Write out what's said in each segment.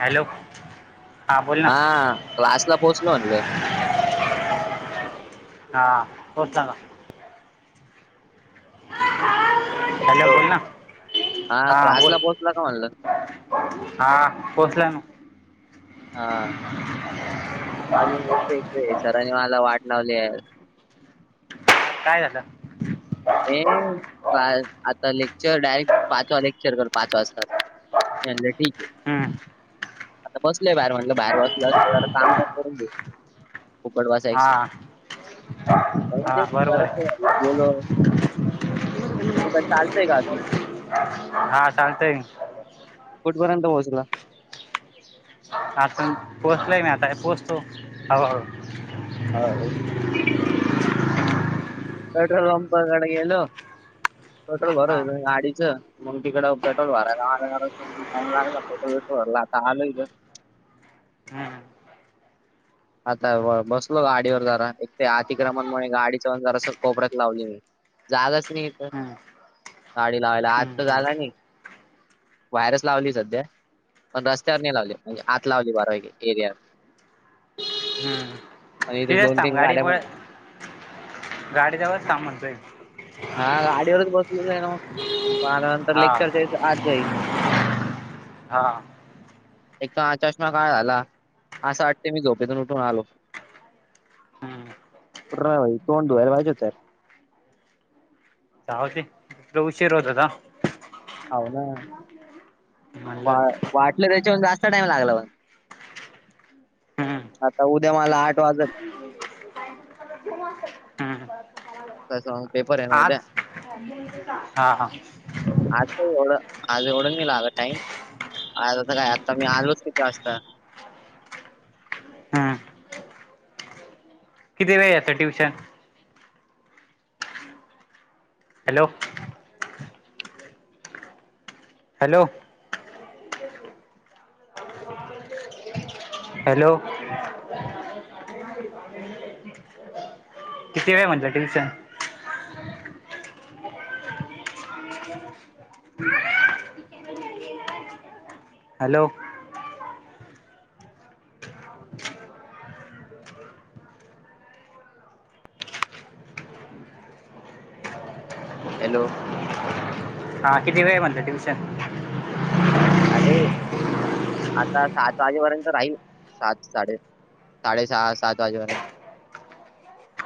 Hello. हां बोल हा क्लास ला पोहोचलो म्ह ग हा हो च का. हॅलो बोल ना. हा क्लास ला पोचला का म्हणलं. हा पोचला म. हा [unintelligible] अ आजून एक एक सरांनी मला वाट लावली आहे. काय झालास? म्हणज का आता लेक्चर डायरेक्ट पाचवा लेक्चर कर पाच वाजताचा. अले ठीक आहे. हम्म. आता बसलंय बाहेर म्हटलं बाहेर बसलं असलं तर काम पण करून देई खबडवासाय हां पण हां बरोबर तेार आहे ब [unintelligible] तू का चालंय का? हा चालतेय मख. कोठपर्यंत पोहोचला? आज पण पोचला नाही आता पोचतो ह हो पेट्रोल पंपाकडे गेलो पेट्रोल हां भरच गाडीच मग तिकडं पेट्रोल भरायला मालारा टईम लागला पेट्रोल वेट्रोल भरला आलोय. हम्म आता ब बसलो गाडीवर जरा एक ते अतिक्रमणमुळे गाडी चवण जरा अस कोपऱ्यात लावली मी. झालंच नाही तर हं, गडी लावायला हं, आज तर हं, झाला नाही. व्हायरस लावली सध्या पण रस्त्यावर नाही लावली म्हणजे आत लावली बारावाै एरियावर. हम्म आणि इथे तिथेच दोन थांब तीन गाडी गाड्या प पण आहे. गाडी जवच थांब म्हणतय हा गाडीवरच बसलेलो ना मग. बारा नंतर लेक्चर ये त्याचं, आत जाईल. हा. एक तर आज चष्मा काळा झाला. असं वाटते मी झोपेतून उठून आलो. हं. पुरा भाई, तोंड धुवायला पाहिजे होतं यार. जाऊदे. एकतर उशीर होत होता. हाऊ ना. वा म्हणलं वाटलं त्याच्याउन जास्त टाइम लागला पण. हं, आता उद्या मला आठ वाजल. हं. तसं मग पेपर आहे ना उद्या. आज, हां हां. आज नही एवढ, आज एवढ नही लागलं टाइम. आज आता काय? आता मी आलोच किती वाजता, हां, किती वेळ याचं ट्युशन? हॅलो, हॅलो, [inaudible] हॅलो, [inaudible] किती वेळ म्हटलं ट्युशन? [inaudible] हॅलो, हॅलो, हा किती वेळ म्हणलं ट्युशन? आरे, आता सात वाजेपर्यंत राहील. सात साडे साडे सहा सात वाजेपर्यंत.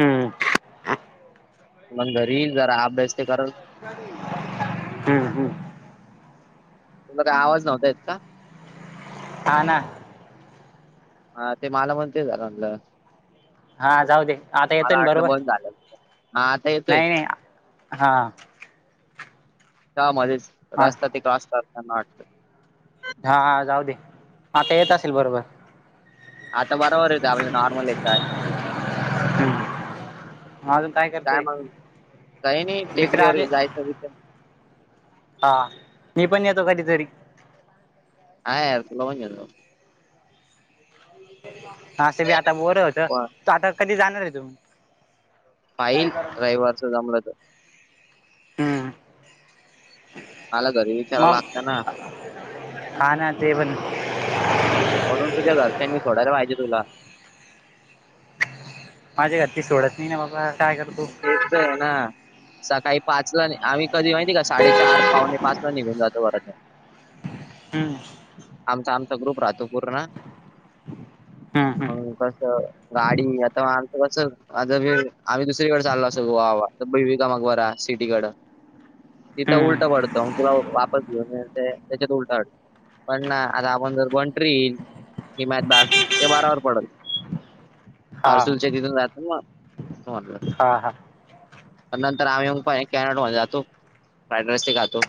हं. मग घरी येईल. जरा अभ्यास ते करल. हं हं. तुम्हाला आवाज नव्हता येत का? हा ना. हा ते मला म्हणते झालं म्हणलं. हा जाऊ दे. आता मला येतोय न वाटलं बरोबर? बंद झालं हा आता येत नाही नाही. हा. त्या मधेच हा रस्ता ते क्रॉस करताना वाटत. हा हा जाऊदे. आता येत असेल बरोबर. आता बरोबर येतो. आपल्या नॉर्मल याच्यावाणी. अजून काय करतोय मग? काही नाही मित्र टेकडीवर आले जायचा विचारे. हा. मी पण येतो कधीतरी. हा यार. तुला पण घेऊन जाऊ. हा असं बी आता बोर होत. पण तू आता कधी जाणार आहे तुम्ही? पाहिल, रविवारच जमलं तर. हं. आला घरी बी माल, हा ना ते पण. वरून तुझ्या घरच्यांनी सोडायला पाहिजे तुला. माझ्या घरचे सोडत नाही ना बाबा. काय करतो? तेच त आहे ना. सकाळी पाच ला आम्ही कधी माहितीय का साडेचार पावणे पाच ला निघून जातो घरातून. हम्म आमचा आमचा ग्रुप राहतो पूर्ण हम्म हम्म मग कस गाडी आता आमचं कस आ आम्हीु सरीकडे चाल अस गोवा भीविका मकबरा सिटीकडं तिथं उलटा हम्म वाढतो तुला वापस घेऊन त्याच्यात उलटा वाढतो पण ना आता आपण जर पणट येईल हिमायत बाग ते बारावर पडल हा पार्सल तथून जहत म म्हटलं हा हा नंतर आम्ही कॅनड मध्ये जातो फ्राईड राईस ते खातो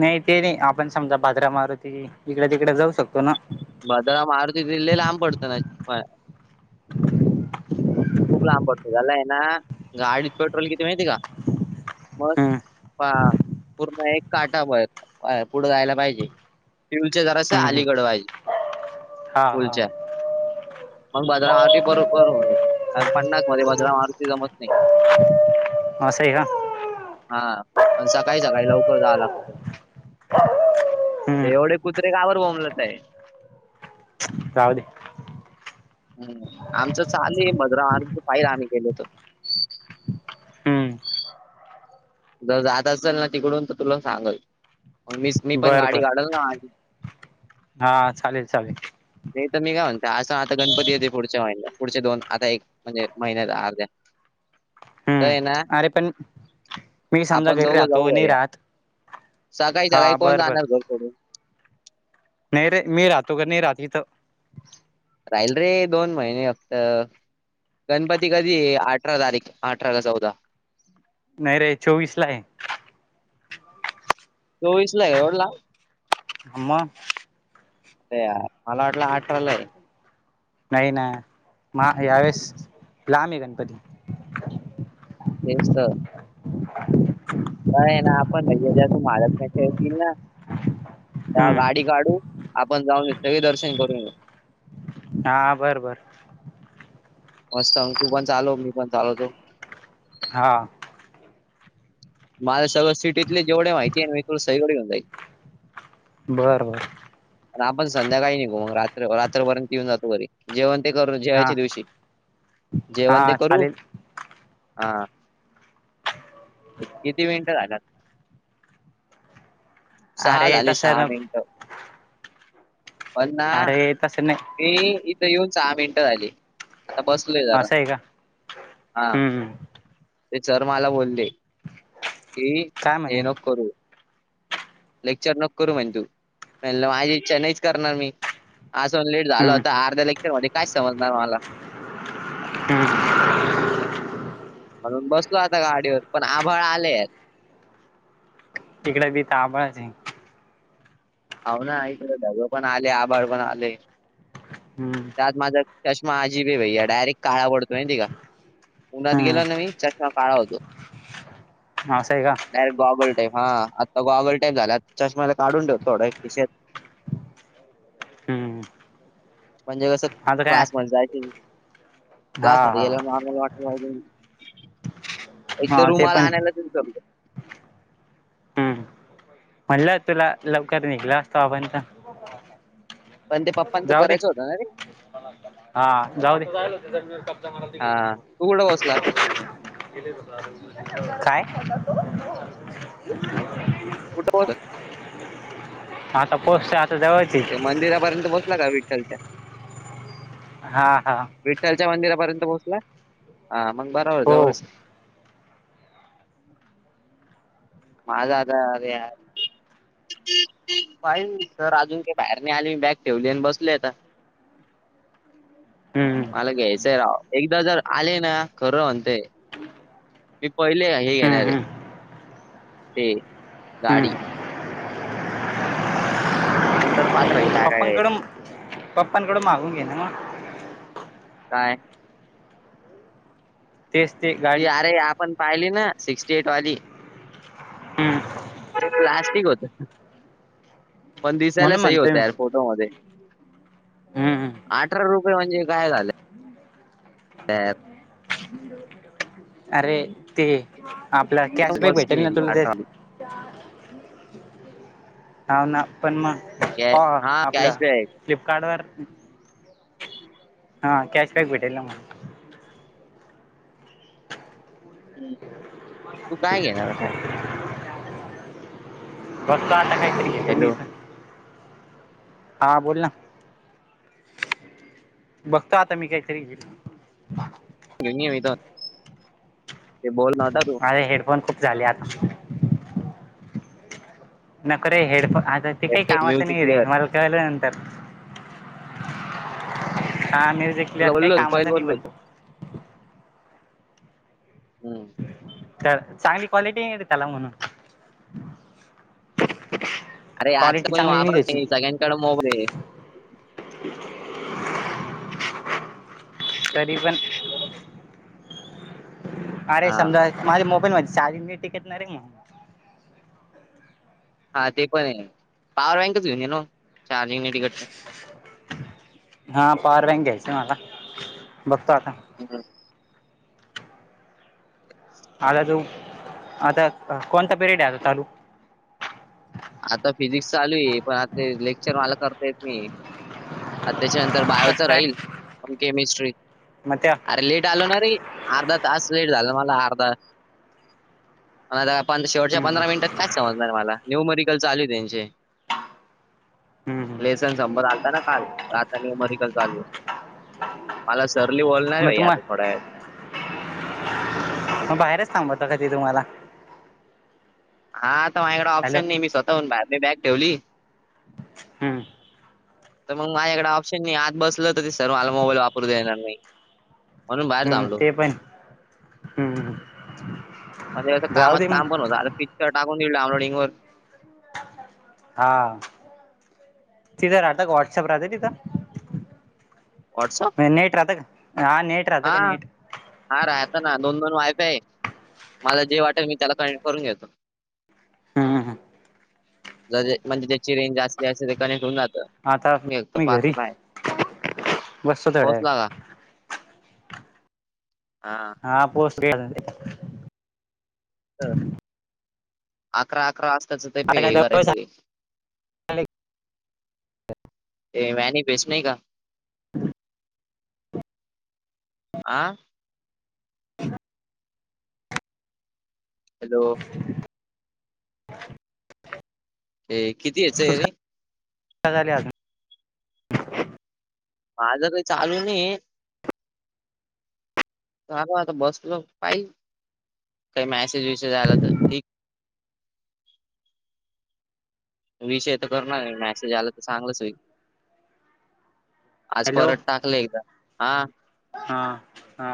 नाही ते नाही आपण समजा भाजरा मारुती इकड तिकडे जाऊ शकतो ना बद्र मारुती गले लांब पडत ना खूप लांब पडतो झालाय ना गाडीत पेट्रोल किती माहिती का हम्म मस् पूर्ण एक काटा पुढं गायला पाहिजे ट्यवलचे जरा अस हम्म हम्म. अलीगड वहिजे हा हा उलच्या मण बदरा आरती बरोबर ये कारण पन्नास मध्ये बदरम आरती जमत नाही [inaudible] ह सई का हा पण सकाही स काळी लवकर जाव लागत ते हम्म एवढे कुत्रे कावर बोंबलत आहे जावले ह आमचं चाले मदरा आणि पाहि आम्ही गेल होतो हम्म जर जात असेल ना तिकडून तर तुला सांगल मग मी मी पण बर गाडी बर काढल ना हा चालेल चालेल नाही तर मी काय म्हणते. असं आता गणपती येते. पुढचे वाहि पुढचे दोन आता एक म्हणजे महिन्यात अर्ध्या काय ना हम्म अरे पण मी समजा आपण घरी दोघं राहतो नाही जाऊऊया राहत सकाळी हा सकाळी कोण बर बर जाणार घर सोडून नाही रे मी राहो क नाही रात्री तर राहिल रे दोन महिने फक्त गणपती कधी अठरा तारीख अठरा का चौदा नाही रे चोवीस ला आहे चोवीस ला आहे एवढला हम ते मला वाटलं आठराला आहे नाही ना मा यावेळेस लालामी गणपती तेच का ना आपण नाही ज्या तू माारक नाही खेळतील ना त्या गाडी हम्म काढू आपण जाऊन सगळे दर्शन करून घऊ हा बर बर मस्तग तू पण चालू मी पण चालवतो हा माला सगळर सिटीतले जेवढे माहितीय मी तुला सयगर घऊन जाई. बर बर आपण संध्याकाळी निघो मग रात्र रात्रपर्यंत येऊन जातो घरी जेवण ते करू हा जेवायच्या दिवशी हा जेवण ते करू चालेल हाती वेट झाला सहा अरे झाली तसं सहा न मिनिटं पणना अरे तसं नाही मी इथं येऊन सहा मिनटं झाली आता बसलय जरा असं आहे का हा हम्म ते सर मला बोलते ह काय म्हणे नेनकर लेक्चर नक करू म्ह तू माझ चेन्ईच करणार मी असं लेट झालं हम्म होता अर्ध्या लेक्चर मध्ये कायच समजणार मला ह म्हणून बसलो आता गाडीवर पण आभाळ आले आहेत तिकड ती तांबळच आहे होा ना क धग पण आले आभड पण आले हम्म त्यात माझा चष्मा अजिबी भैया डायरेक्ट काळा पडतोय त का मुरात गेलो ना हम्म मी चष काळा होतो ह स आहे का डायरेक्टॉबल टाई हा आता गॉबल टाई झालाता च्माला काढून ठेवो थोडा कशच हम्म म्हणजे कसं आता काय क्लास मध्ये जायच हा क्लास मध्ये हा गेला नॉर्मल वाट पाहिजे एक तर हा ते रुमाला पण आहे आणायला दिमत हम्म म्हणलं तुला लवकर निघला असतो आपणंत पण ते पप्पांचं जाऊ दे करायचं होत ना रे हा जाऊज हा तू कुठं बसला काय कुठं हो आता पोहचते आता जवळ ते मंदिरापर्यंत बोसला का विठ्ठलच्या हा हा विठ्ठलच्या मंदिरापर्यंत पोहोचला हा मग बरोबर हो जवळ माझा आता या पाहि सर अजून काही बाहेर नाही आले मी बॅग ठेवली आणि बसल आता हम् हम मला घ्यायचंय रा एकदा जर आले ना खरं म्हणते मी पहिले हे हम्म घेणार आहे हम्म ते गाडी हम्म नंतर पात्रहि पप्पांकड पप्पांकडं मागून घे ना मग काय तेच ते ती गाडी अरे आपण पाहिली ना सिक्स्टी एट वाली हम्म ठीक होत पण दिसायला म्हणून सही म्हणतोय मी होत्या यार फोटो मधे हम्म अठरा रुपये म्हणजे काय झालं अँप अरे ते आपला कॅशबॅक स्कीम भेटेल ना ती तुला ते अठरा ह ना पण मग हा आपल्या कॅशबॅक फ्लिपकार्ट वर हा कॅश बॅक भेटेल ना मांग ह् तू काय घेणार ब काय बघतो आता काही तरी घेतो मी हॅलो ईथ हां बोल ना बघताो आता मी काहीतरी घे वेणी वेधआ ते बोल नवता तो माझे हेडफोन खूप झाले आता नको रे हेडफो आता तेी काही कामाचं म्युझिक नाही रे प्लेअर मलकळलं नंतर हा म्युझिक तुला क्लिअर काही बोललो मी पहिले कामचं नाही बोललो बन तो होतो. तर चांगली क्वालिटी त्याला म्हणून अरे आज काल क्वालिटी कोणी वापरत नाही सगळ्याकड मोबाईल आहे [inaudible] कररीबन अरे हा समजा माझ्या मोबाईलमध्येध्ये चाली म टिकेतणार आहे मग हा ते पण आहे पॉवर बँकच येऊन ये ना चार्जिंगटिकड तर हा पार बँक घ्यायचे मला बघतो आता हम् आता तू आता कोणता पिरियड आहे आता चालू आता फिजिक्स चालू आहे पण आ लेक्चर मला करता येत नाही अ त्याच्यानंतर बायोच कसं काय राहील प केमिस्ट्री मग त्या अरे लेट ल ना रे अर्धा तास लेट झाला मला अर्धा आता शेवटच्या हम्म, पंधरा मिनिटात कायच समजणार मला न्यू मेडिकल चालू त्यांचे हम्म, हम्म. लेसन संभर आलता ना काल रातनी उमरिकल चालू आहे मला सरली बोलणार आहे मग भाई तुम्हा आता थोड्या वे मग बाहेरच थांबवत कधी तुम्हाला हा आता माझ्याकड हॅलो ऑप्शन नाही मी स्वतःहून मी बॅग ठेवली हम्म तर मग माझ्याकडडे ऑप्शन नाही आत बसलं तर ते सर् मला मोबाईल वापरू देणार नाही म्हणून बाहेर हम्म, थांबलो ते पण हम्म, म्हणजे जाऊ कामात दे काम पण मग होत आता पिक्चर टाकून दिऊल ानलोडिंग वर हा तिथं राहत व्हॉटसअप राहत तिथं वॉटसअप नेट राताक हा नेट राहतं हा का नेट हा राहता ना दोन दोन वायफ आहे मला जे वाटेल मी त्याला कक्ट करून घेतो हम हं ज म्हणजे त्याची रंज असली असे ते कनेक्ट होऊन जातं आता मी एक तर पाहतो घरी काय बसतो थोड्या वेळ पोचला का हा हा पोस्ट अकरा अकरा वाजताच ते पे काय हे करायचं हे झाले ते मॅ नाही बेच नाही का ह आं ओ [inaudible] हे किती यायचंय तू अरे झाले माझं का चालू नाही ल आता बसलं पाहिज काही मॅसेज विसेज आला तर ठीक विषय तर करणार नाही मॅसेज आला तर चांगलंच होई आज हॅलो परत टाकले एकदा हा हा हा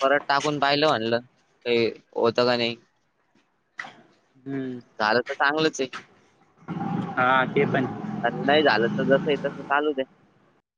परत टाकून पाहिलं म्हणलं का होत का नाही हम्म झालं तर चांगलंच आहे हा ते पण आणि नाही झालं तर जस आहे तसं चालू दे